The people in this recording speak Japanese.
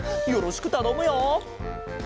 よろしくたのむよ。